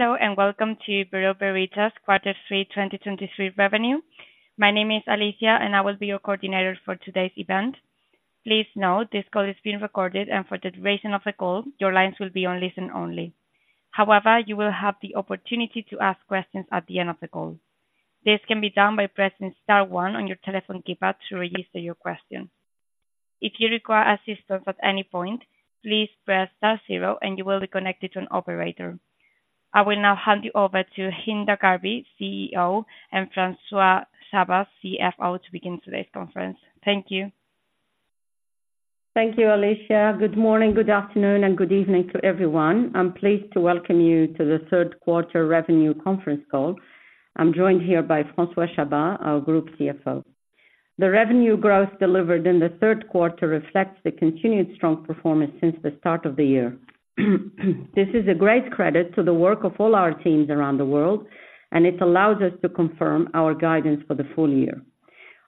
Hello, and welcome to Bureau Veritas Quarter 3 2023 Revenue. My name is Alicia, and I will be your coordinator for today's event. Please note, this call is being recorded, and for the duration of the call, your lines will be on listen only. However, you will have the opportunity to ask questions at the end of the call. This can be done by pressing star one on your telephone keypad to register your question. If you require assistance at any point, please press star zero and you will be connected to an operator. I will now hand you over to Hinda Gharbi, CEO, and François Chabas, CFO, to begin today's conference. Thank you. Thank you, Alicia. Good morning, good afternoon, and good evening to everyone. I'm pleased to welcome you to the third quarter revenue conference call. I'm joined here by François Chabas, our Group CFO. The revenue growth delivered in the third quarter reflects the continued strong performance since the start of the year. This is a great credit to the work of all our teams around the world, and it allows us to confirm our guidance for the full year.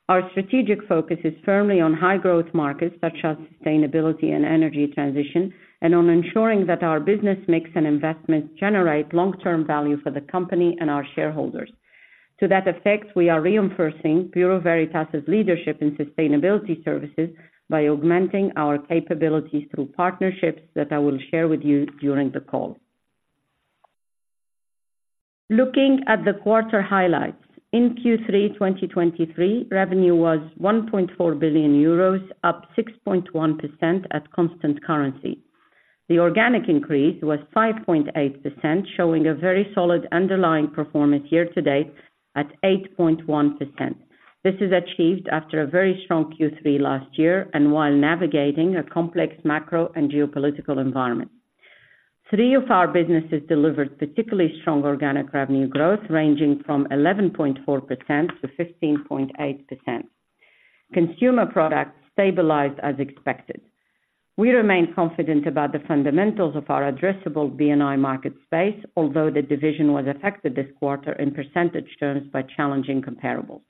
Our strategic focus is firmly on high growth markets, such as sustainability and energy transition, and on ensuring that our business makes an investment, generate long-term value for the company and our shareholders. To that effect, we are reinforcing Bureau Veritas' leadership in sustainability services by augmenting our capabilities through partnerships that I will share with you during the call. Looking at the quarter highlights. In Q3 2023, revenue was 1.4 billion euros, up 6.1% at constant currency. The organic increase was 5.8%, showing a very solid underlying performance year-to-date at 8.1%. This is achieved after a very strong Q3 last year and while navigating a complex macro and geopolitical environment. Three of our businesses delivered particularly strong organic revenue growth, ranging from 11.4%-15.8%. Consumer Products stabilized as expected. We remain confident about the fundamentals of our addressable B&I market space, although the division was affected this quarter in percentage terms by challenging comparables.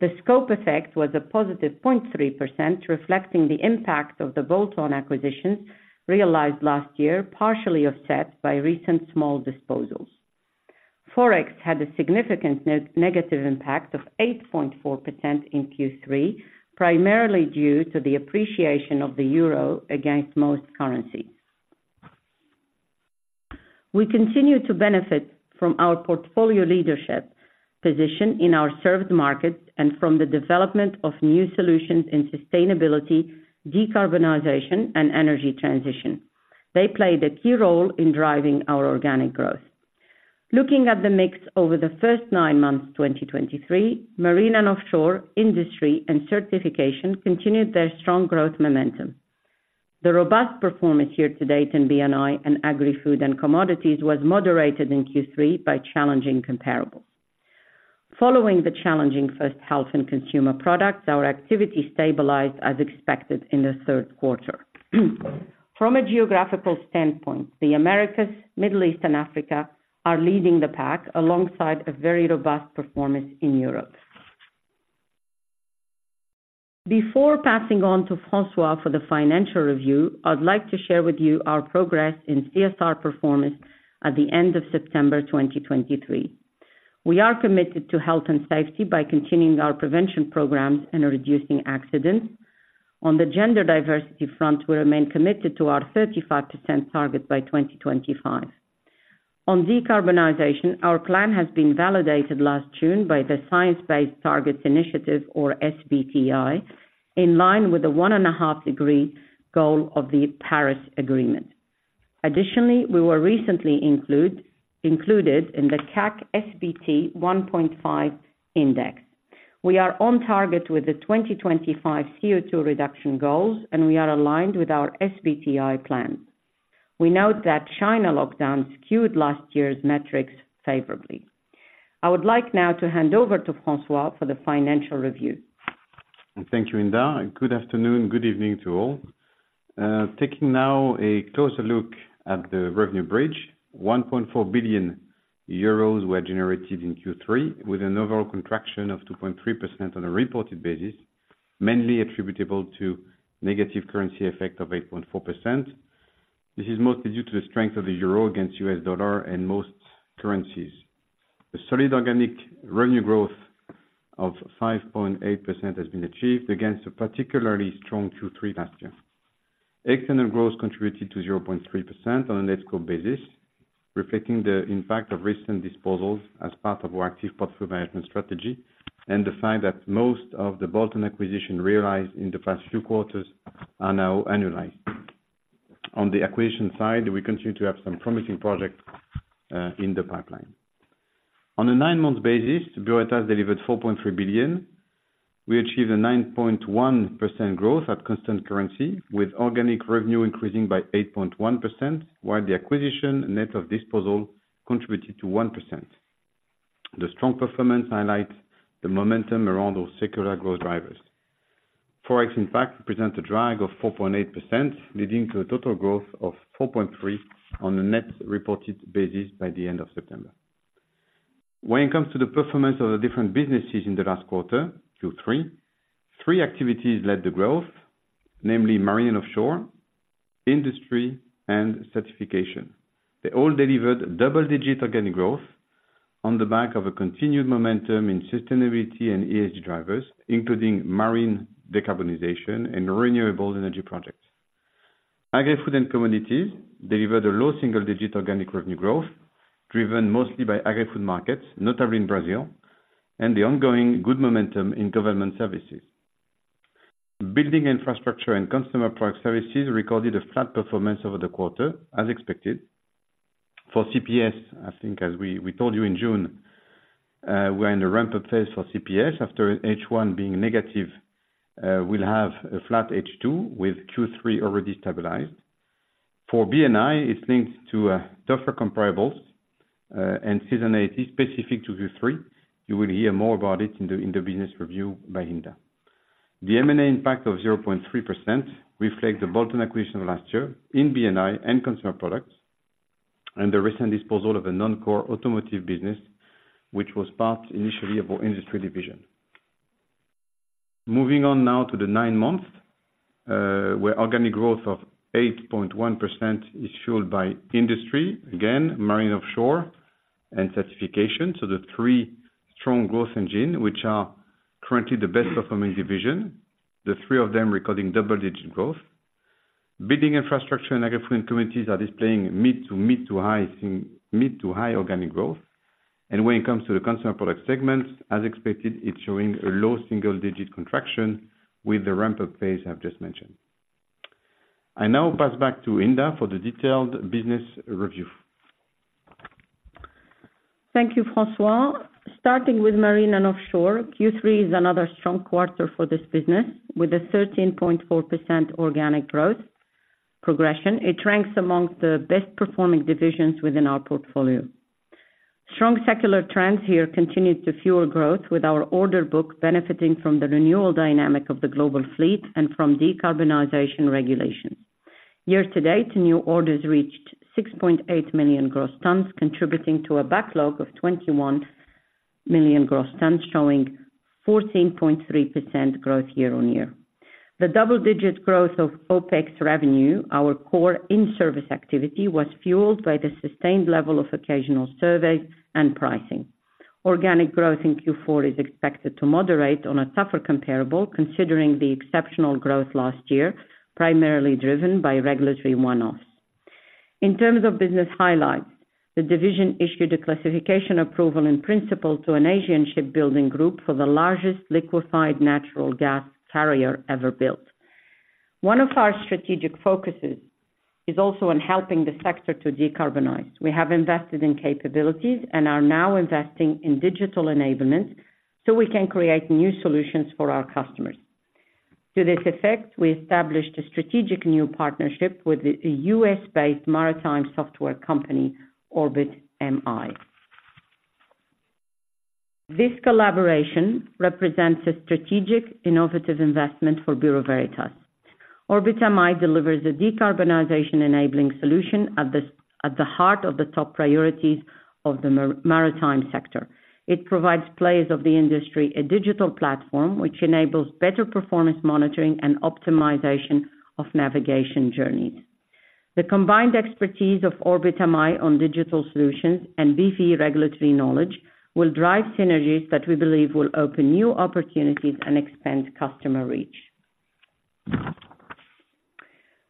The scope effect was a positive 0.3%, reflecting the impact of the bolt-on acquisitions realized last year, partially offset by recent small disposals. Forex had a significant negative impact of 8.4% in Q3, primarily due to the appreciation of the euro against most currencies. We continue to benefit from our portfolio leadership position in our served markets and from the development of new solutions in sustainability, decarbonization, and energy transition. They played a key role in driving our organic growth. Looking at the mix over the first nine months, 2023, Marine & Offshore, Industry, and Certification continued their strong growth momentum. The robust performance year-to-date in B&I and Agri-Food & Commodities was moderated in Q3 by challenging comparables. Following the challenging first half and Consumer Products, our activity stabilized as expected in the third quarter. From a geographical standpoint, the Americas, Middle East and Africa are leading the pack, alongside a very robust performance in Europe. Before passing on to François for the financial review, I'd like to share with you our progress in CSR performance at the end of September 2023. We are committed to health and safety by continuing our prevention programs and reducing accidents. On the gender diversity front, we remain committed to our 35% target by 2025. On decarbonization, our plan has been validated last June by the Science Based Targets initiative, or SBTi, in line with the 1.5-degree goal of the Paris Agreement. Additionally, we were recently included in the CAC SBT 1.5 Index. We are on target with the 2025 CO2 reduction goals, and we are aligned with our SBTi plan. We note that China lockdown skewed last year's metrics favorably. I would like now to hand over to François for the financial review. Thank you, Hinda, and good afternoon, good evening to all. Taking now a closer look at the revenue bridge. 1.4 billion euros were generated in Q3, with an overall contraction of 2.3% on a reported basis, mainly attributable to negative currency effect of 8.4%. This is mostly due to the strength of the Euro against U.S. dollar and most currencies. A solid organic revenue growth of 5.8% has been achieved, against a particularly strong Q3 last year. External growth contributed to 0.3% on a net scope basis, reflecting the impact of recent disposals as part of our active portfolio management strategy, and the fact that most of the bolt-on acquisition realized in the past few quarters are now annualized. On the acquisition side, we continue to have some promising projects, in the pipeline. On a nine-month basis, Bureau Veritas delivered 4.3 billion. We achieved a 9.1% growth at constant currency, with organic revenue increasing by 8.1%, while the acquisition net of disposal contributed to 1%. The strong performance highlights the momentum around those secular growth drivers. Forex, in fact, presents a drag of 4.8%, leading to a total growth of 4.3% on a net reported basis by the end of September. When it comes to the performance of the different businesses in the last quarter, Q3, three activities led the growth, namely Marine & Offshore, Industry, and Certification. They all delivered double-digit organic growth on the back of a continued momentum in sustainability and ESG drivers, including marine decarbonization and renewable energy projects. Agri-Food & Commodities delivered a low single-digit organic revenue growth, driven mostly by agri-food markets, notably in Brazil, and the ongoing good momentum in government services. Buildings and Infrastructure and Consumer Product Services recorded a flat performance over the quarter as expected. For CPS, I think as we told you in June, we're in a ramp-up phase for CPS after H1 being negative. We'll have a flat H2 with Q3 already stabilized. For B&I, it links to tougher comparables and seasonality specific to Q3. You will hear more about it in the business review by Hinda. The M&A impact of 0.3% reflect the bolt-on acquisition last year in B&I and Consumer Products, and the recent disposal of a non-core automotive business, which was part initially of our industry division. Moving on now to the nine months, where organic growth of 8.1% is fueled by industry, again, marine offshore and certification. So the three strong growth engine, which are currently the best performing division, the three of them recording double-digit growth. Buildings and Infrastructure and Agri-Food & Commodities are displaying mid- to high, seeing mid- to high organic growth. And when it comes to the consumer product segments, as expected, it's showing a low single-digit contraction with the ramp-up phase I've just mentioned. I now pass back to Hinda for the detailed business review. Thank you, François. Starting with Marine & Offshore, Q3 is another strong quarter for this business, with a 13.4% organic growth progression. It ranks among the best performing divisions within our portfolio. Strong secular trends here continued to fuel growth with our order book, benefiting from the renewal dynamic of the global fleet and from decarbonization regulations. Year-to-date, new orders reached 6.8 million gross tons, contributing to a backlog of 21 million gross tons, showing 14.3% growth year-on-year. The double-digit growth of OpEx revenue, our core in-service activity, was fueled by the sustained level of occasional surveys and pricing. Organic growth in Q4 is expected to moderate on a tougher comparable, considering the exceptional growth last year, primarily driven by regulatory one-offs. In terms of business highlights, the division issued a classification approval in principle to an Asian shipbuilding group for the largest liquefied natural gas carrier ever built. One of our strategic focuses is also on helping the sector to decarbonize. We have invested in capabilities and are now investing in digital enablement, so we can create new solutions for our customers. To this effect, we established a strategic new partnership with a U.S.-based maritime software company, OrbitMI. This collaboration represents a strategic, innovative investment for Bureau Veritas. OrbitMI delivers a decarbonization enabling solution at the heart of the top priorities of the maritime sector. It provides players of the industry a digital platform, which enables better performance monitoring and optimization of navigation journeys. The combined expertise of OrbitMI on digital solutions and BV regulatory knowledge will drive synergies that we believe will open new opportunities and expand customer reach.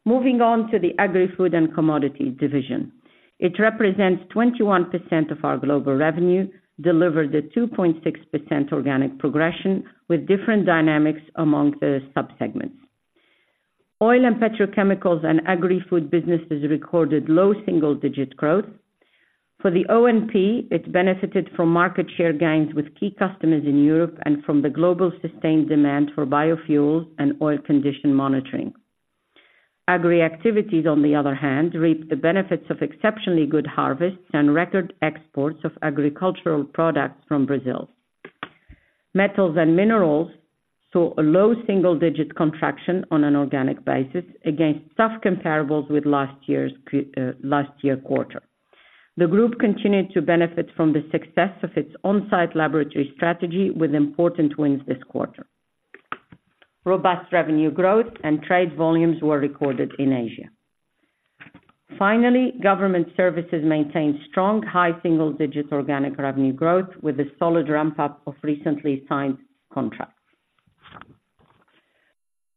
Moving on to the Agri-Food & Commodities division. It represents 21% of our global revenue, delivered a 2.6% organic progression, with different dynamics among the subsegments. Oil & Petrochemicals and agri-food businesses recorded low single-digit growth. For the O&P, it benefited from market share gains with key customers in Europe and from the global sustained demand for biofuels and oil condition monitoring. Agri activities, on the other hand, reaped the benefits of exceptionally good harvests and record exports of agricultural products from Brazil. Metals & Minerals saw a low single-digit contraction on an organic basis against tough comparables with last year's quarter. The group continued to benefit from the success of its on-site laboratory strategy with important wins this quarter. Robust revenue growth and trade volumes were recorded in Asia. Finally, government services maintained strong, high single-digit organic revenue growth with a solid ramp-up of recently signed contracts.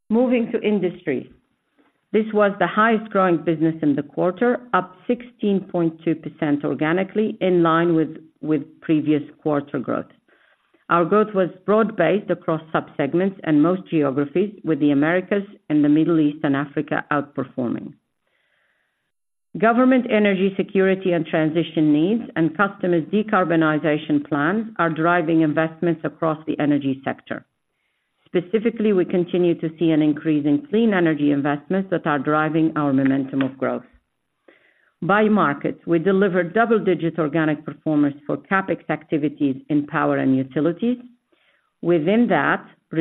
Moving to industry. This was the highest growing business in the quarter, up 16.2% organically, in line with previous quarter growth. Our growth was broad-based across subsegments and most geographies, with the Americas and the Middle East and Africa outperforming. Government energy security and transition needs and customers' decarbonization plans are driving investments across the energy sector. Specifically, we continue to see an increase in clean energy investments that are driving our momentum of growth. By markets, we delivered double-digit organic performance for CapEx activities in power and utilities.... Within that, for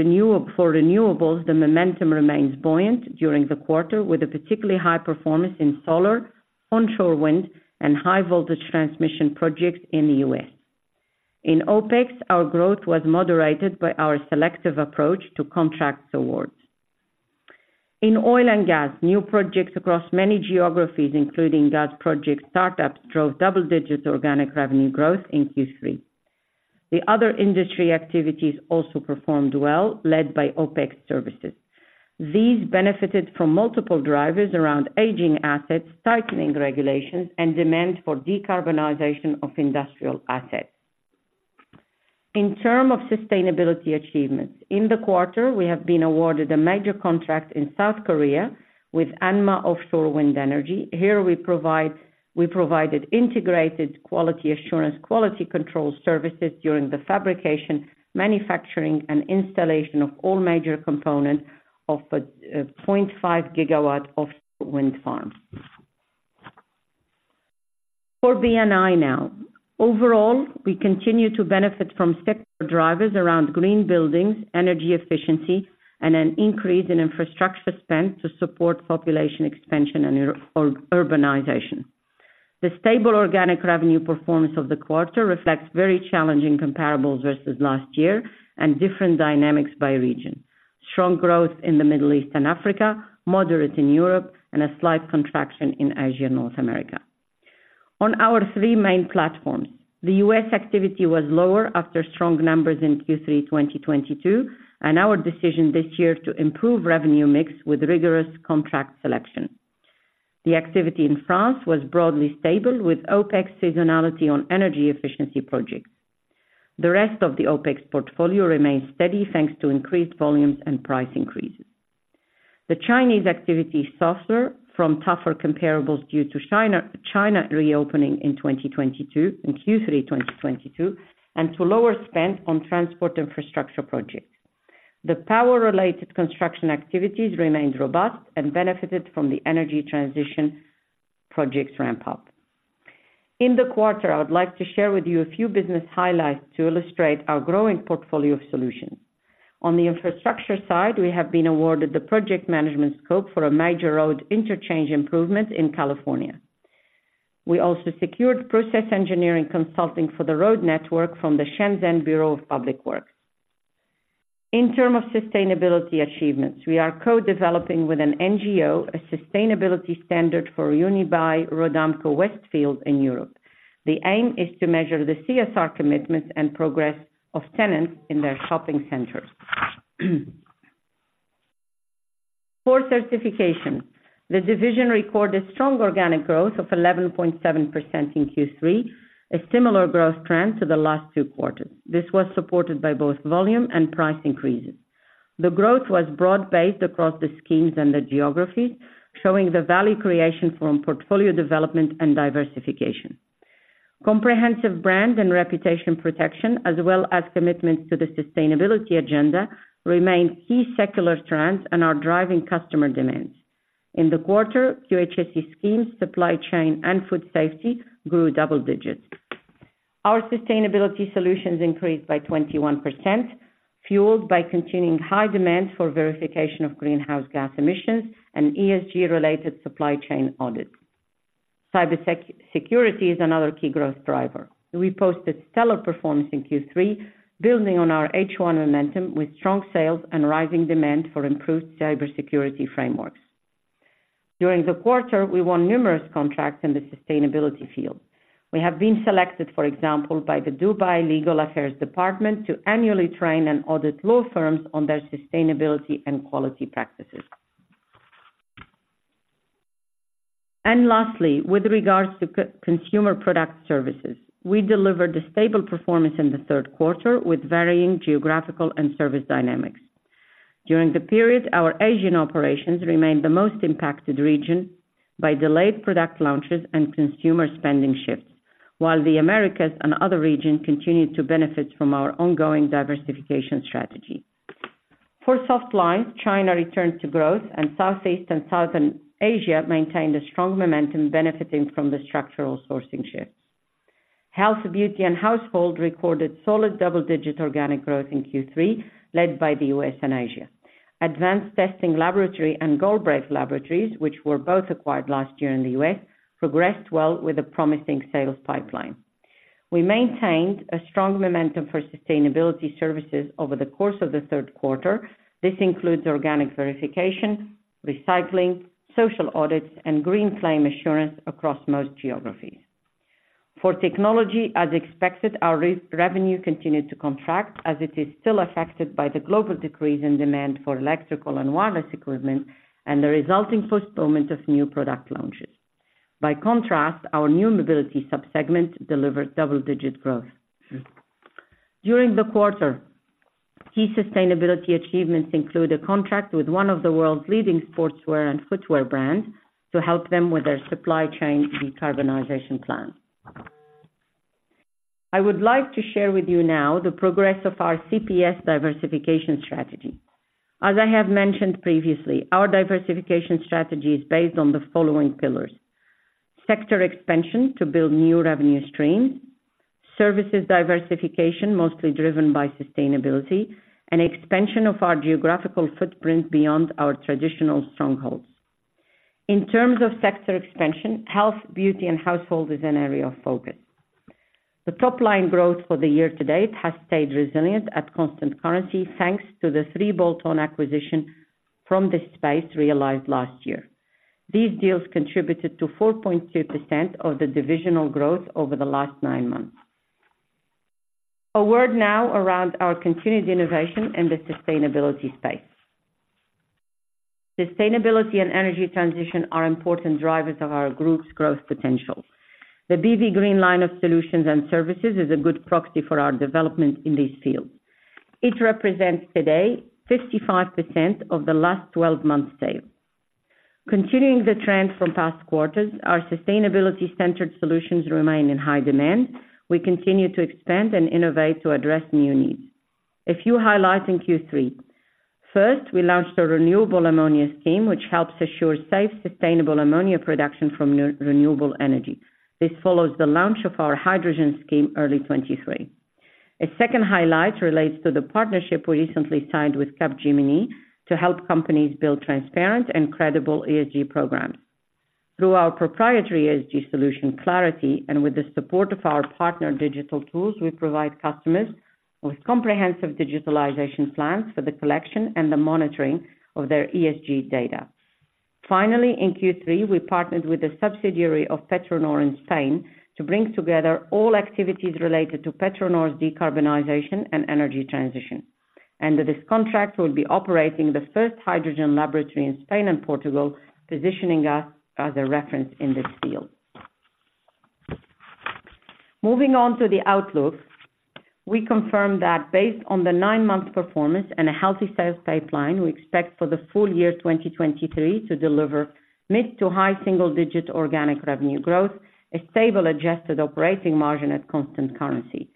renewables, the momentum remains buoyant during the quarter, with a particularly high performance in solar, onshore wind, and high voltage transmission projects in the U.S. In OpEx, our growth was moderated by our selective approach to contracts awards. In oil and gas, new projects across many geographies, including gas project startups, drove double-digit organic revenue growth in Q3. The other industry activities also performed well, led by OpEx services. These benefited from multiple drivers around aging assets, tightening regulations, and demand for decarbonization of industrial assets. In terms of sustainability achievements, in the quarter, we have been awarded a major contract in South Korea with Anma Offshore Wind Energy. Here, we provided integrated quality assurance, quality control services during the fabrication, manufacturing, and installation of all major components of a 0.5 GW offshore wind farm. For B&I now. Overall, we continue to benefit from sector drivers around green buildings, energy efficiency, and an increase in infrastructure spend to support population expansion and urbanization. The stable organic revenue performance of the quarter reflects very challenging comparables versus last year and different dynamics by region. Strong growth in the Middle East and Africa, moderate in Europe, and a slight contraction in Asia and North America. On our three main platforms, the U.S. activity was lower after strong numbers in Q3 2022, and our decision this year to improve revenue mix with rigorous contract selection. The activity in France was broadly stable, with OpEx seasonality on energy efficiency projects. The rest of the OpEx portfolio remains steady, thanks to increased volumes and price increases. The Chinese activity softer from tougher comparables due to China's reopening in 2022—in Q3, 2022—and to lower spend on transport infrastructure projects. The power-related construction activities remained robust and benefited from the energy transition projects ramp up. In the quarter, I would like to share with you a few business highlights to illustrate our growing portfolio of solutions. On the infrastructure side, we have been awarded the project management scope for a major road interchange improvement in California. We also secured process engineering consulting for the road network from the Shenzhen Bureau of Public Works. In terms of sustainability achievements, we are co-developing with an NGO, a sustainability standard for Unibail-Rodamco-Westfield in Europe. The aim is to measure the CSR commitments and progress of tenants in their shopping centers. For certification, the division recorded strong organic growth of 11.7% in Q3, a similar growth trend to the last two quarters. This was supported by both volume and price increases. The growth was broad-based across the schemes and the geographies, showing the value creation from portfolio development and diversification. Comprehensive brand and reputation protection, as well as commitments to the sustainability agenda, remain key secular trends and are driving customer demands. In the quarter, QHSE schemes, supply chain, and food safety grew double digits. Our sustainability solutions increased by 21%, fueled by continuing high demand for verification of greenhouse gas emissions and ESG-related supply chain audits. Cybersecurity is another key growth driver. We posted stellar performance in Q3, building on our H1 momentum with strong sales and rising demand for improved cybersecurity frameworks. During the quarter, we won numerous contracts in the sustainability field. We have been selected, for example, by the Dubai Legal Affairs Department, to annually train and audit law firms on their sustainability and quality practices. Lastly, with regards to Consumer Product Services, we delivered a stable performance in the third quarter, with varying geographical and service dynamics. During the period, our Asian operations remained the most impacted region by delayed product launches and consumer spending shifts, while the Americas and other regions continued to benefit from our ongoing diversification strategy. For softlines, China returned to growth, and Southeast and Southern Asia maintained a strong momentum, benefiting from the structural sourcing shifts. Health, Beauty & Household recorded solid double-digit organic growth in Q3, led by the U.S. and Asia. Advanced Testing Laboratory and Galbraith Laboratories, which were both acquired last year in the U.S., progressed well with a promising sales pipeline. We maintained a strong momentum for sustainability services over the course of the third quarter. This includes organic verification, recycling, social audits, and green claim assurance across most geographies. For technology, as expected, our revenue continued to contract, as it is still affected by the global decrease in demand for electrical and wireless equipment and the resulting postponement of new product launches. By contrast, our New Mobility subsegment delivered double-digit growth. During the quarter, key sustainability achievements include a contract with one of the world's leading sportswear and footwear brands to help them with their supply chain decarbonization plan. I would like to share with you now the progress of our CPS diversification strategy. As I have mentioned previously, our diversification strategy is based on the following pillars:... Sector expansion to build new revenue streams, services diversification, mostly driven by sustainability, and expansion of our geographical footprint beyond our traditional strongholds. In terms of sector expansion, Health, Beauty & Household is an area of focus. The top line growth for the year to date has stayed resilient at constant currency, thanks to the three bolt-on acquisition from this space realized last year. These deals contributed to 4.2% of the divisional growth over the last nine months. A word now around our continued innovation in the sustainability space. Sustainability and energy transition are important drivers of our group's growth potential. The BV Green Line of solutions and services is a good proxy for our development in this field. It represents today 55% of the last twelve months' sales. Continuing the trend from past quarters, our sustainability-centered solutions remain in high demand. We continue to expand and innovate to address new needs. A few highlights in Q3: First, we launched a renewable ammonia scheme, which helps assure safe, sustainable ammonia production from renewable energy. This follows the launch of our hydrogen scheme, early 2023. A second highlight relates to the partnership we recently signed with Capgemini to help companies build transparent and credible ESG programs. Through our proprietary ESG solution, Clarity, and with the support of our partner, digital tools, we provide customers with comprehensive digitalization plans for the collection and the monitoring of their ESG data. Finally, in Q3, we partnered with a subsidiary of Petronor in Spain to bring together all activities related to Petronor's decarbonization and energy transition. Under this contract, we'll be operating the first hydrogen laboratory in Spain and Portugal, positioning us as a reference in this field. Moving on to the outlook, we confirm that based on the nine-month performance and a healthy sales pipeline, we expect for the full year 2023 to deliver mid- to high-single-digit organic revenue growth, a stable adjusted operating margin at constant currency,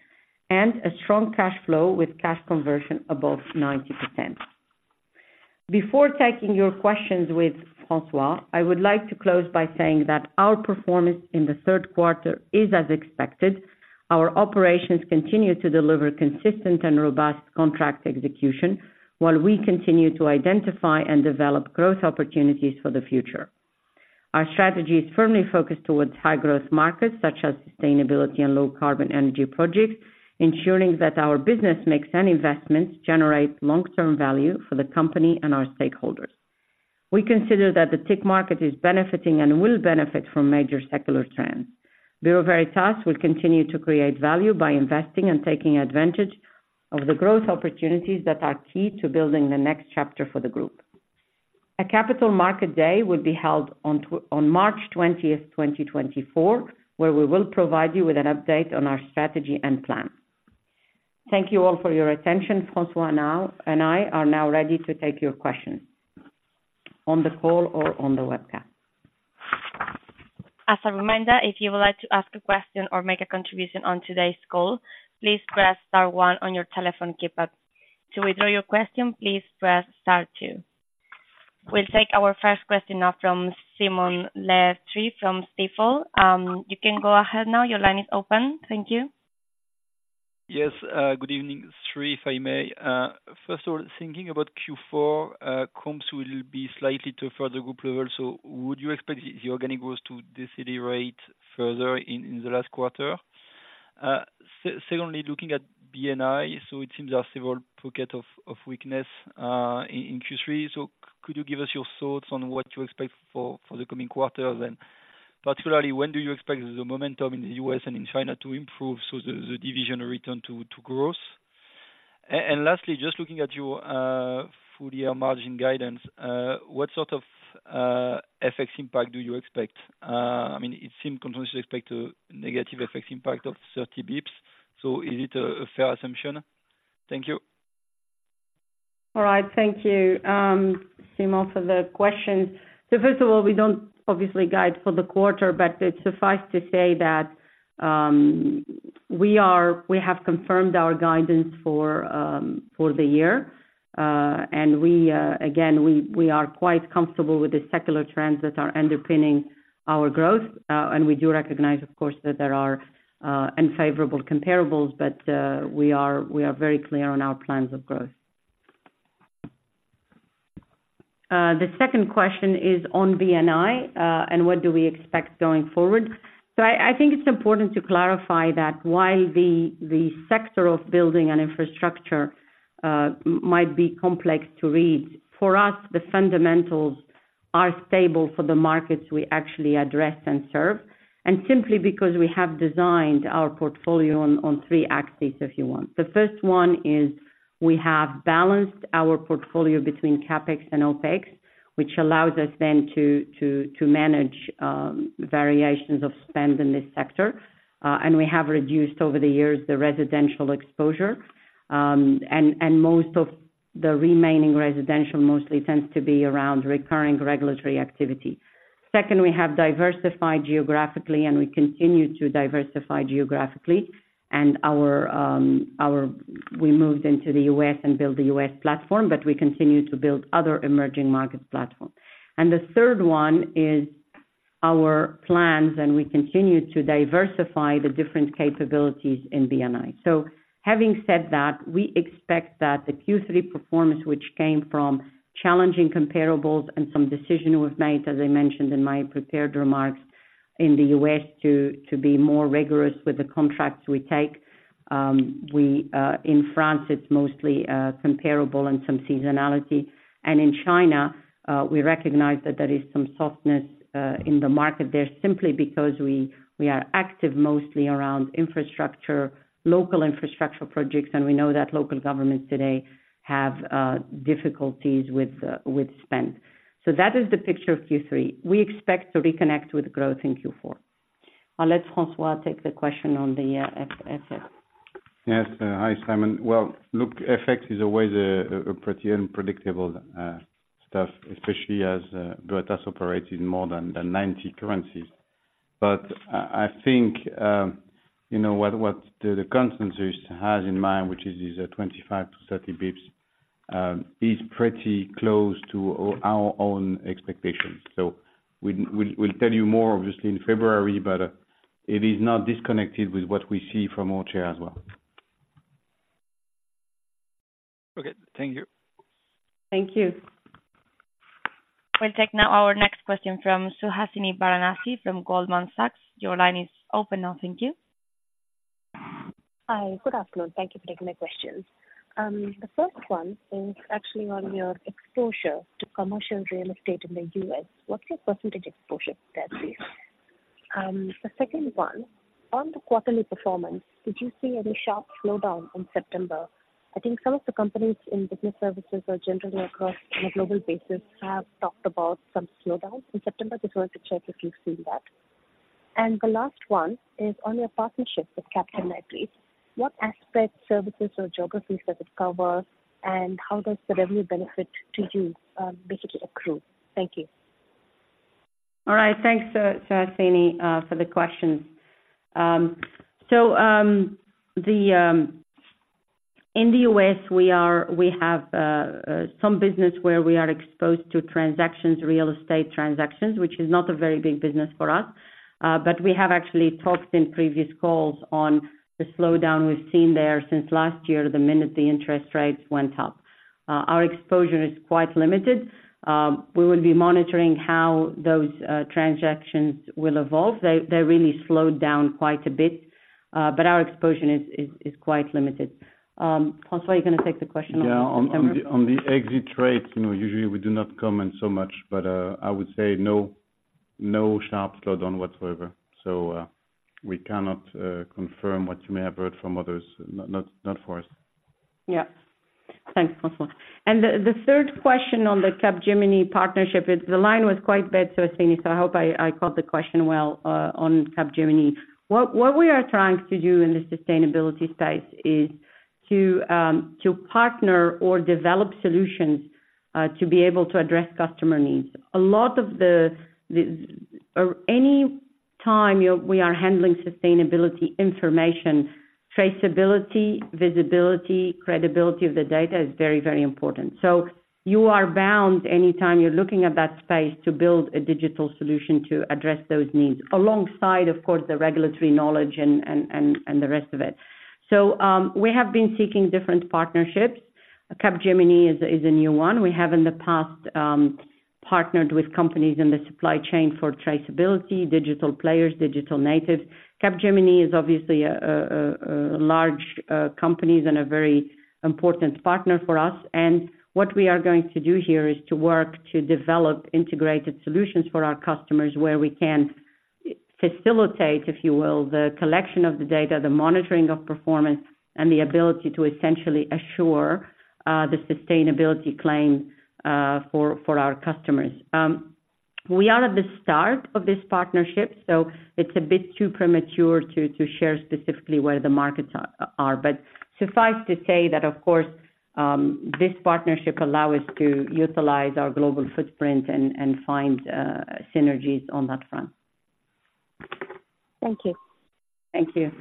and a strong cash flow with cash conversion above 90%. Before taking your questions with François, I would like to close by saying that our performance in the third quarter is as expected. Our operations continue to deliver consistent and robust contract execution, while we continue to identify and develop growth opportunities for the future. Our strategy is firmly focused towards high growth markets, such as sustainability and low carbon energy projects, ensuring that our business makes any investments, generate long-term value for the company and our stakeholders. We consider that the TIC market is benefiting and will benefit from major secular trends. Bureau Veritas will continue to create value by investing and taking advantage of the growth opportunities that are key to building the next chapter for the group. A capital market day will be held on March 20, 2024, where we will provide you with an update on our strategy and plan. Thank you all for your attention. François now and I are now ready to take your questions, on the call or on the webcast. As a reminder, if you would like to ask a question or make a contribution on today's call, please press star one on your telephone keypad. To withdraw your question, please press star two. We'll take our first question now from Simon LeChêne from Stifel. You can go ahead now. Your line is open. Thank you. Yes, good evening. Three, if I may. First of all, thinking about Q4, comps will be slightly to further group level. So would you expect the organic growth to decelerate further in the last quarter? Secondly, looking at B&I, so it seems there are several pockets of weakness in Q3. So could you give us your thoughts on what you expect for the coming quarters? And particularly, when do you expect the momentum in the U.S. and in China to improve so the division return to growth? And lastly, just looking at your full year margin guidance, what sort of FX impact do you expect? I mean, it seems continuously expect a negative FX impact of 30 basis points. So is it a fair assumption? Thank you. All right. Thank you, Simon, for the questions. So first of all, we don't obviously guide for the quarter, but it suffices to say that, we have confirmed our guidance for the year. And we, again, we, we are quite comfortable with the secular trends that are underpinning our growth. And we do recognize, of course, that there are, unfavorable comparables, but, we are, we are very clear on our plans of growth. The second question is on B&I, and what do we expect going forward? So I think it's important to clarify that while the sector of Building and Infrastructure might be complex to read, for us, the fundamentals are stable for the markets we actually address and serve, and simply because we have designed our portfolio on three axes, if you want. The first one is we have balanced our portfolio between CapEx and OpEx, which allows us then to manage variations of spend in this sector. And we have reduced, over the years, the residential exposure. And most of the remaining residential mostly tends to be around recurring regulatory activity. Second, we have diversified geographically, and we continue to diversify geographically. And we moved into the U.S. and built the U.S. platform, but we continue to build other emerging market platforms. And the third one is... our plans, and we continue to diversify the different capabilities in B&I. So having said that, we expect that the Q3 performance, which came from challenging comparables and some decisions we've made, as I mentioned in my prepared remarks, in the U.S., to be more rigorous with the contracts we take. We in France, it's mostly comparable and some seasonality. And in China, we recognize that there is some softness in the market there, simply because we are active mostly around infrastructure, local infrastructure projects, and we know that local governments today have difficulties with spend. So that is the picture of Q3. We expect to reconnect with growth in Q4. I'll let François take the question on the FX. Yes. Hi, Simon. Well, look, FX is always a pretty unpredictable stuff, especially as Bureau Veritas operates in more than 90 currencies. But I think, you know, what the consensus has in mind, which is 25-30 basis points, is pretty close to our own expectations. So we'll tell you more, obviously, in February, but it is not disconnected with what we see from our side as well. Okay, thank you. Thank you. We'll take now our next question from Suhasini Varanasi from Goldman Sachs. Your line is open now. Thank you. Hi. Good afternoon. Thank you for taking my questions. The first one is actually on your exposure to commercial real estate in the U.S. What's your percentage exposure to that space? The second one, on the quarterly performance, did you see any sharp slowdown in September? I think some of the companies in business services or generally across on a global basis, have talked about some slowdowns in September. Just wanted to check if you've seen that. And the last one is on your partnership with Capgemini. What aspects, services or geographies does it cover, and how does the revenue benefit to you, basically accrue? Thank you. All right. Thanks, Suhasini, for the questions. So, in the U.S., we are, we have some business where we are exposed to transactions, real estate transactions, which is not a very big business for us. But we have actually talked in previous calls on the slowdown we've seen there since last year, the minute the interest rates went up. Our exposure is quite limited. We will be monitoring how those transactions will evolve. They really slowed down quite a bit, but our exposure is quite limited. François, are you gonna take the question on September? Yeah, on the exit rates, you know, usually we do not comment so much, but I would say no, no sharp slowdown whatsoever. So, we cannot confirm what you may have heard from others. Not for us. Yeah. Thanks, François. The third question on the Capgemini partnership. It's. The line was quite bad, Suhasini, so I hope I caught the question well on Capgemini. What we are trying to do in the sustainability space is to partner or develop solutions to be able to address customer needs. Any time we are handling sustainability information, traceability, visibility, credibility of the data is very, very important. So you are bound, anytime you're looking at that space, to build a digital solution to address those needs, alongside, of course, the regulatory knowledge and the rest of it. So we have been seeking different partnerships. Capgemini is a new one. We have in the past partnered with companies in the supply chain for traceability, digital players, digital natives. Capgemini is obviously a large company and a very important partner for us, and what we are going to do here is to work to develop integrated solutions for our customers, where we can facilitate, if you will, the collection of the data, the monitoring of performance, and the ability to essentially assure the sustainability claim for our customers. We are at the start of this partnership, so it's a bit too premature to share specifically where the markets are. But suffice to say that, of course, this partnership allow us to utilize our global footprint and find synergies on that front. Thank you. Thank you.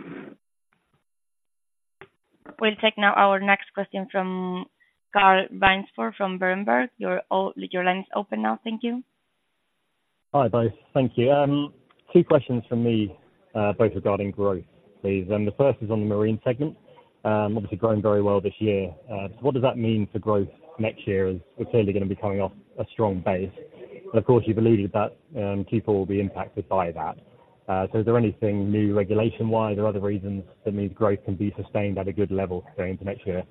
We'll take now our next question from Carl Sharman from Bloomberg. Your line is open now. Thank you. Hi, both. Thank you. Two questions from me, both regarding growth, please. The first is on the marine segment. Obviously growing very well this year. So what does that mean for growth next year? As we're clearly gonna be coming off a strong base. And of course, you've alluded that Q4 will be impacted by that. So is there anything new regulation-wise or other reasons that means growth can be sustained at a good level going into next year?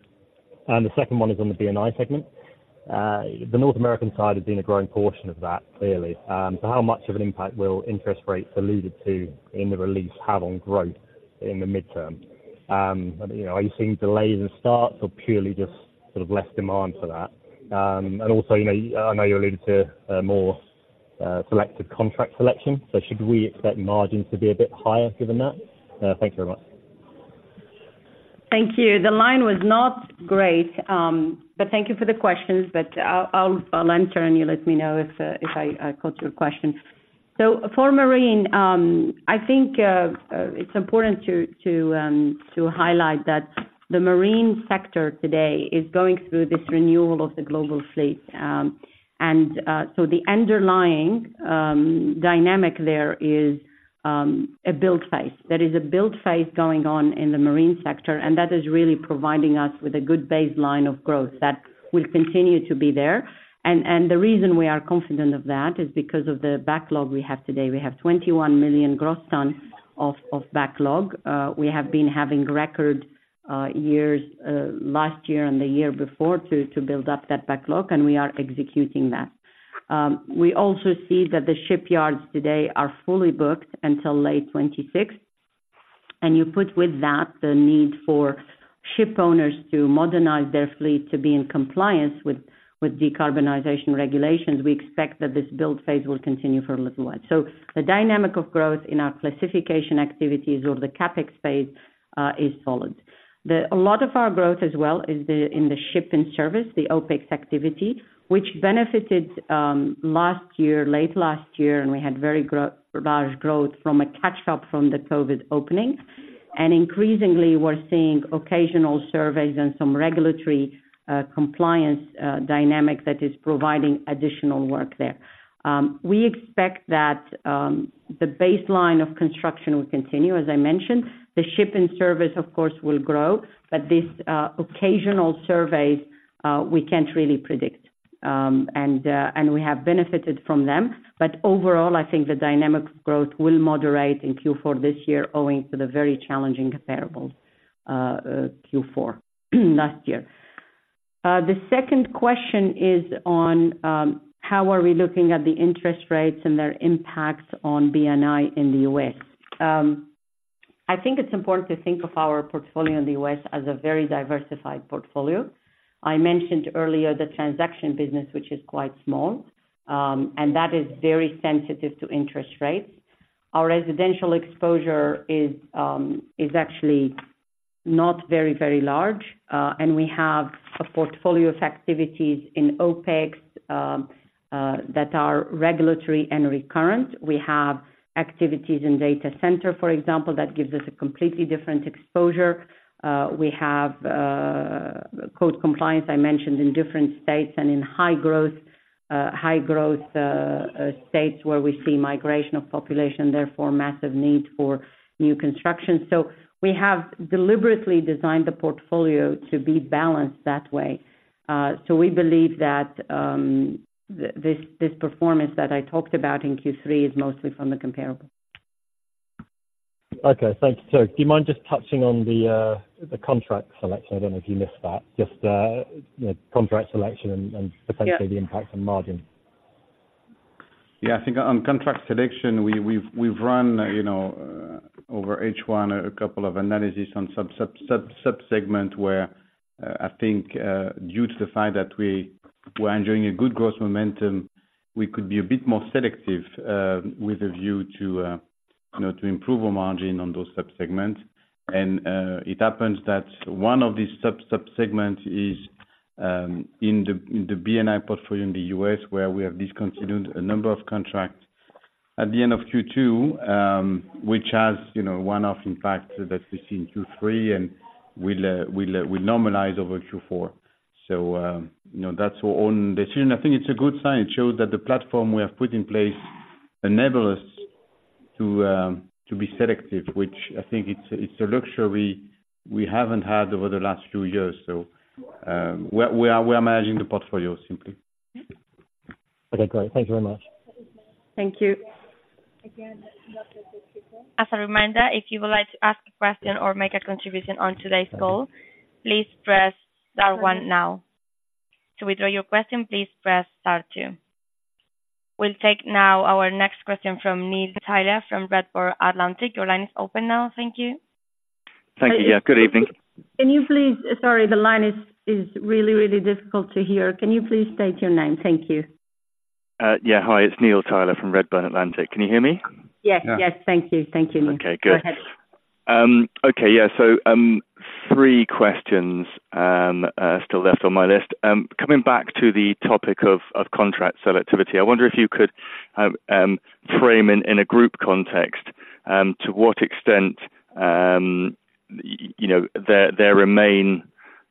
And the second one is on the B&I segment. The North American side has been a growing portion of that, clearly. So how much of an impact will interest rates alluded to in the release have on growth in the midterm? You know, are you seeing delays in starts or purely just sort of less demand for that? And also, you know, I know you alluded to more selective contract selection, so should we expect margins to be a bit higher given that? Thank you very much. ... Thank you. The line was not great, but thank you for the questions, but I'll, I'll, I'll alternate, you let me know if, if I caught your question. So for marine, I think, it's important to, to, to highlight that the marine sector today is going through this renewal of the global fleet. And, so the underlying, dynamic there is, a build phase. There is a build phase going on in the marine sector, and that is really providing us with a good baseline of growth that will continue to be there. And, the reason we are confident of that, is because of the backlog we have today. We have 21 million gross tons of backlog. We have been having record years last year and the year before to build up that backlog, and we are executing that. We also see that the shipyards today are fully booked until late 2026, and you put with that, the need for ship owners to modernize their fleet to be in compliance with decarbonization regulations; we expect that this build phase will continue for a little while. So the dynamic of growth in our classification activities or the CapEx phase is solid. A lot of our growth as well is in the ship and service, the OpEx activity, which benefited last year, late last year, and we had very large growth from a catch up from the COVID opening. And increasingly, we're seeing occasional surveys and some regulatory compliance dynamics that is providing additional work there. We expect that the baseline of construction will continue, as I mentioned. The ship and service, of course, will grow, but this occasional surveys we can't really predict. And we have benefited from them, but overall, I think the dynamic growth will moderate in Q4 this year, owing to the very challenging comparable Q4 last year. The second question is on how are we looking at the interest rates and their impacts on B&I in the U.S. I think it's important to think of our portfolio in the U.S. as a very diversified portfolio. I mentioned earlier, the transaction business, which is quite small, and that is very sensitive to interest rates. Our residential exposure is actually not very, very large, and we have a portfolio of activities in OpEx that are regulatory and recurrent. We have activities in data center, for example, that gives us a completely different exposure. We have code compliance, I mentioned, in different states and in high growth, high growth states where we see migration of population, therefore, massive need for new construction. So we have deliberately designed the portfolio to be balanced that way. So we believe that this, this performance that I talked about in Q3 is mostly from the comparable. Okay, thank you. So do you mind just touching on the contract selection? I don't know if you missed that. Just, the contract selection and, and- Yeah. Potentially the impact on margin. Yeah, I think on contract selection, we've run, you know, over H1, a couple of analyses on sub-segments where, I think, due to the fact that we were enjoying a good growth momentum, we could be a bit more selective, with a view to, you know, to improve our margin on those sub-segments. And it happens that one of these sub-segments is in the B&I portfolio in the U.S., where we have discontinued a number of contracts at the end of Q2, which has, you know, one-off impact that we see in Q3, and we'll normalize over Q4. So, you know, that's our own decision. I think it's a good sign. It shows that the platform we have put in place enable us to to be selective, which I think it's a luxury we haven't had over the last few years. So, we are managing the portfolio simply. Okay, great. Thank you very much. Thank you. As a reminder, if you would like to ask a question or make a contribution on today's call, please press star one now. To withdraw your question, please press star two. We'll take now our next question from Neil Tyler from Redburn Atlantic. Your line is open now. Thank you. Thank you. Yeah, good evening. Can you please... Sorry, the line is really, really difficult to hear. Can you please state your name? Thank you. Yeah. Hi, it's Neil Tyler from Redburn Atlantic. Can you hear me? Yes. Yeah. Yes, thank you. Thank you, Neil. Okay, good. Go ahead. Okay, yeah. So, three questions still left on my list. Coming back to the topic of contract selectivity, I wonder if you could frame in a group context to what extent, you know, there remain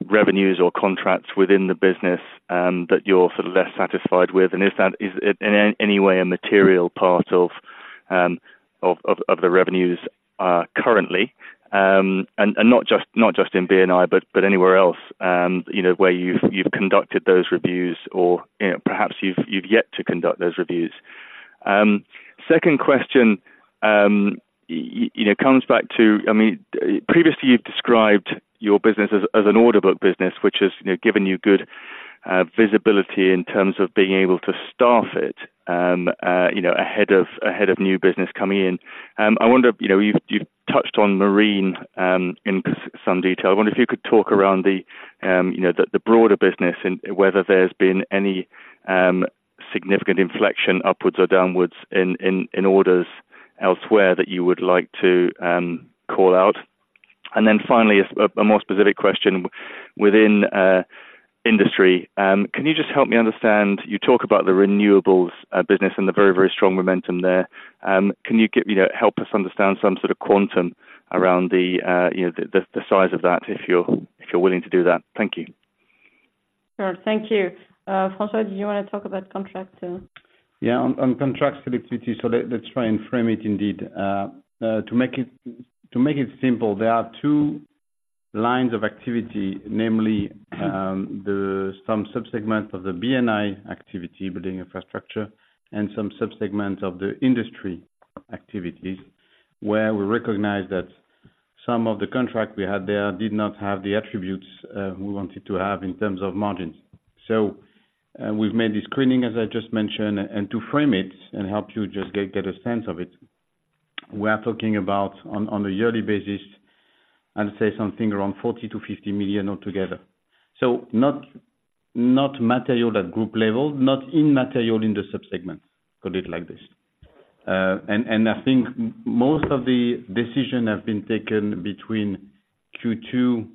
revenues or contracts within the business that you're sort of less satisfied with? And is that, is it in any way a material part of the revenues currently? And not just in B&I, but anywhere else, you know, where you've conducted those reviews or, you know, perhaps you've yet to conduct those reviews. Second question, you know, comes back to... I mean, previously, you've described your business as an order book business, which has, you know, given you good visibility in terms of being able to staff it, you know, ahead of new business coming in. I wonder, you know, you've touched on marine in some detail. I wonder if you could talk around the, you know, the broader business and whether there's been any significant inflection upwards or downwards in orders elsewhere that you would like to call out? And then finally, a more specific question, within industry, can you just help me understand, you talk about the renewables business and the very, very strong momentum there. Can you give, you know, help us understand some sort of quantum around the, you know, the size of that, if you're willing to do that? Thank you. Sure, thank you. François, do you wanna talk about contract, too? Yeah, on contracts activity, so let's try and frame it indeed. To make it simple, there are two lines of activity, namely, some sub-segment of the B&I activity, building infrastructure, and some sub-segments of the industry activities, where we recognize that some of the contract we had there did not have the attributes we wanted to have in terms of margins. So, we've made the screening, as I just mentioned, and to frame it and help you just get a sense of it, we are talking about on a yearly basis, I'd say something around 40 million-50 million altogether. So not material at group level, not material in the sub-segments, put it like this. And I think most of the decision have been taken between Q2,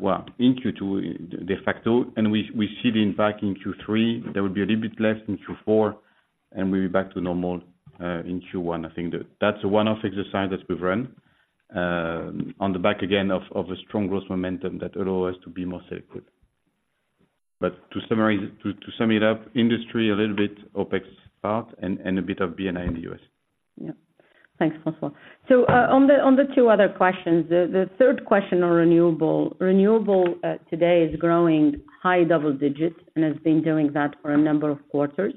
well, in Q2, de facto, and we see the impact in Q3. There will be a little bit less in Q4, and we'll be back to normal in Q1. I think that's a one-off exercise that we've run, on the back of a strong growth momentum that allow us to be more safe with. But to summarize, to sum it up, industry, a little bit OpEx part and a bit of B&I in the U.S. Yeah. Thanks, François. So, on the two other questions, the third question on renewable. Renewable, today, is growing high double digits and has been doing that for a number of quarters.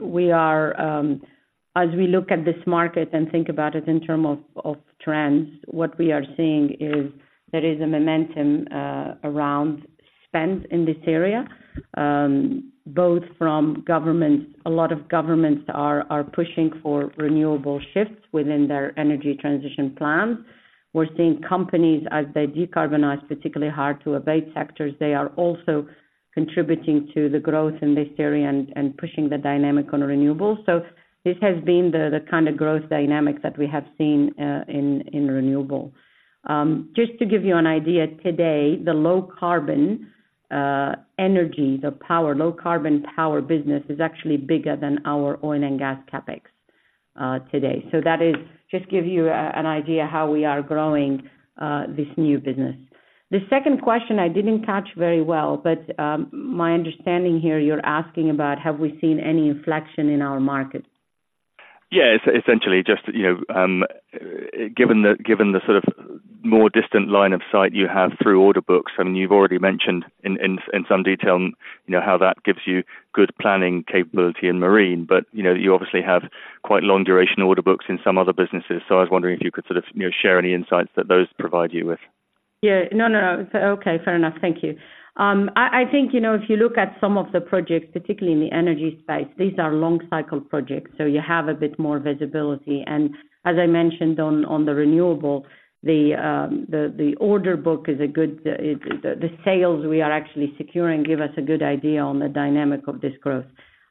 We are, as we look at this market and think about it in term of trends, what we are seeing is there is a momentum around spend in this area, both from governments—a lot of governments are pushing for renewable shifts within their energy transition plans. We're seeing companies, as they decarbonize, particularly hard to abate sectors, they are also contributing to the growth in this area and pushing the dynamic on renewables. So this has been the kind of growth dynamics that we have seen, in renewable. Just to give you an idea, today, the low carbon energy, the power, low carbon power business is actually bigger than our oil and gas CapEx today. So that is just give you an idea how we are growing this new business. The second question, I didn't catch very well, but, my understanding here, you're asking about have we seen any inflection in our market? Yeah, essentially, just, you know, given the sort of more distant line of sight you have through order books, I mean, you've already mentioned in some detail, you know, how that gives you good planning capability in marine. But, you know, you obviously have quite long duration order books in some other businesses. So I was wondering if you could sort of, you know, share any insights that those provide you with. Yeah. No, no, no. Okay, fair enough. Thank you. I think, you know, if you look at some of the projects, particularly in the energy space, these are long cycle projects, so you have a bit more visibility. And as I mentioned on the renewable, the order book is a good, the sales we are actually securing give us a good idea on the dynamic of this growth.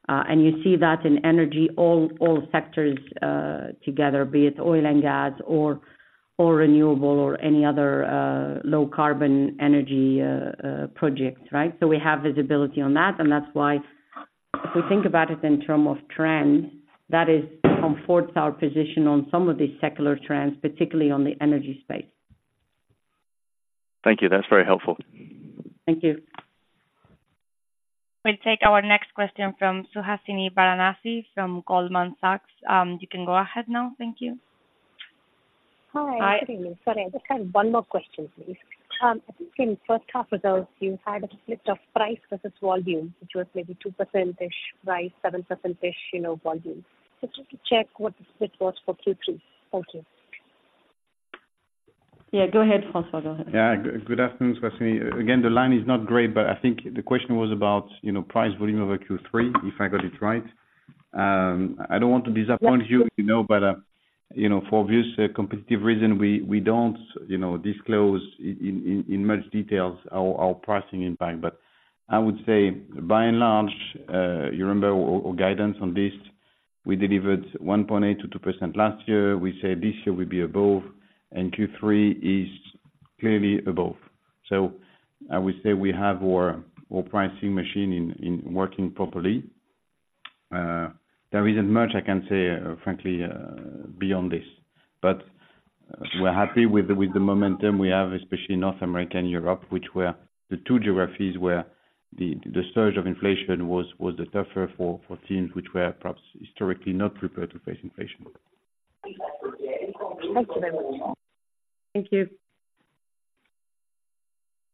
And you see that in energy, all sectors together, be it oil and gas or renewable or any other low carbon energy project, right? So we have visibility on that, and that's why if we think about it in term of trends, that is, comforts our position on some of these secular trends, particularly on the energy space. Thank you. That's very helpful. Thank you. We'll take our next question from Suhasini Varanasi from Goldman Sachs. You can go ahead now. Thank you. Hi. Hi. Good evening. Sorry, I just had one more question, please. I think in first half results, you had a split of price versus volume, which was maybe 2%-ish price, 7%-ish, you know, volume. So just to check what the split was for Q3. Thank you. Yeah, go ahead, François, go ahead. Yeah, good afternoon, Suhasini. Again, the line is not great, but I think the question was about, you know, price volume over Q3, if I got it right. I don't want to disappoint you, you know, but, you know, for obvious competitive reason, we don't, you know, disclose in much details our pricing impact. But I would say, by and large, you remember our guidance on this, we delivered 1.8%-2% last year. We said this year will be above, and Q3 is clearly above. So I would say we have our pricing machine in working properly. There isn't much I can say, frankly, beyond this. But we're happy with the momentum we have, especially in North America and Europe, which were the two geographies where the surge of inflation was the tougher for teams which were perhaps historically not prepared to face inflation. Thanks very much. Thank you.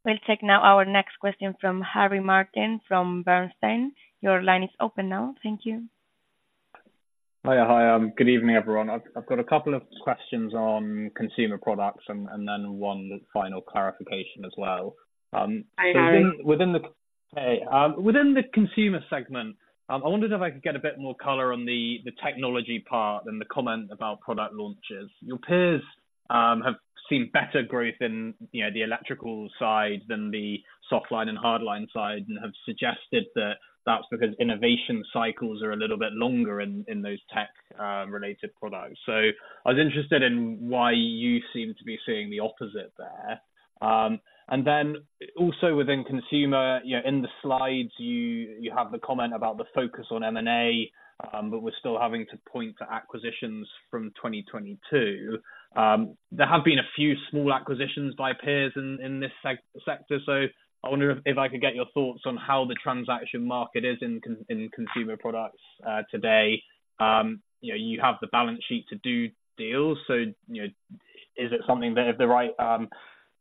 We'll take now our next question from Harry Martin, from Bernstein. Your line is open now. Thank you. Hi, good evening, everyone. I've got a couple of questions on Consumer Products and then one final clarification as well. Hi, Harry. Within the consumer segment, I wondered if I could get a bit more color on the technology part and the comment about product launches. Your peers have seen better growth in, you know, the electrical side than the soft line and hard line side, and have suggested that that's because innovation cycles are a little bit longer in those tech related products. So I was interested in why you seem to be seeing the opposite there. And then also within consumer, you know, in the slides, you have the comment about the focus on M&A, but we're still having to point to acquisitions from 2022. There have been a few small acquisitions by peers in this sector, so I wonder if I could get your thoughts on how the transaction market is in Consumer Products today? You know, you have the balance sheet to do deals, so, you know, is it something that if the right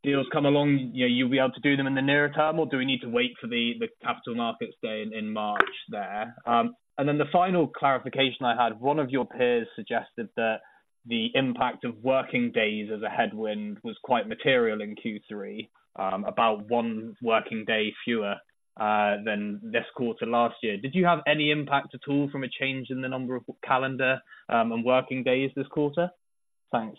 deals come along, you know, you'll be able to do them in the near term, or do we need to wait for the capital markets day in March there? And then the final clarification I had, one of your peers suggested that the impact of working days as a headwind was quite material in Q3, about one working day fewer than this quarter last year. Did you have any impact at all from a change in the number of calendar, and working days this quarter? Thanks.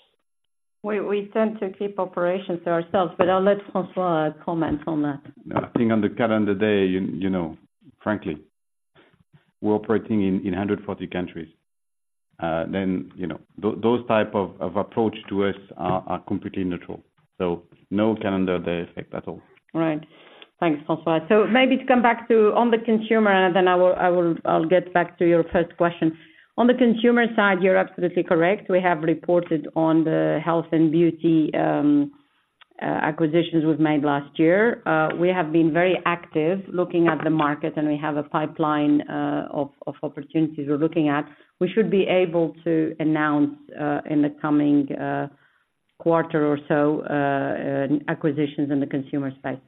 We tend to keep operations to ourselves, but I'll let François comment on that. I think on the calendar day, you know, frankly, we're operating in 140 countries. Then, you know, those type of approach to us are completely neutral, so no calendar day effect at all. Right. Thanks, François. So maybe to come back to on the consumer, then I'll get back to your first question. On the consumer side, you're absolutely correct. We have reported on the health and beauty acquisitions we've made last year. We have been very active looking at the market, and we have a pipeline of opportunities we're looking at. We should be able to announce in the coming quarter or so acquisitions in the consumer space.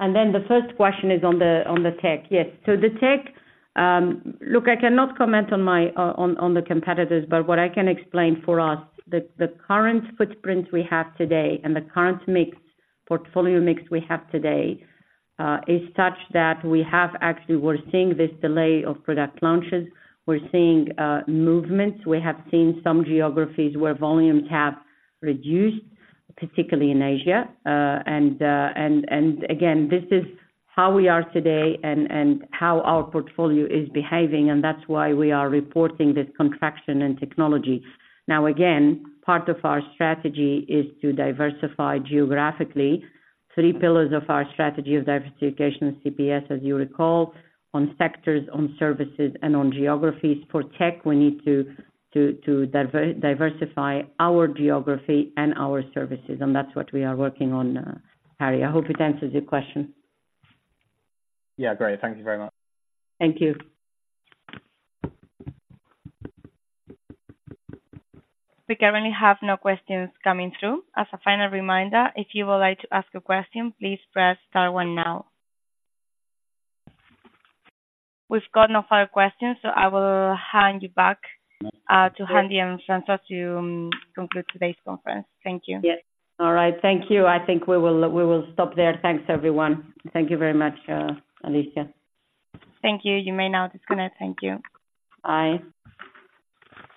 And then the first question is on the tech. Yes. So the tech, look, I cannot comment on competitors, but what I can explain for us, the current footprint we have today and the current mix, portfolio mix we have today is such that we have actually, we're seeing this delay of product launches. We're seeing movements. We have seen some geographies where volumes have reduced, particularly in Asia. And again, this is how we are today and how our portfolio is behaving, and that's why we are reporting this contraction in technology. Now, again, part of our strategy is to diversify geographically. Three pillars of our strategy of diversification of CPS, as you recall, on sectors, on services, and on geographies. For tech, we need to diversify our geography and our services, and that's what we are working on, Harry. I hope it answers your question. Yeah, great. Thank you very much. Thank you. We currently have no questions coming through. As a final reminder, if you would like to ask a question, please press star one now. We've got no further questions, so I will hand you back to Hinda and François to complete today's conference. Thank you. Yes. All right. Thank you. I think we will, we will stop there. Thanks, everyone. Thank you very much, Alicia. Thank you. You may now disconnect. Thank you. Bye.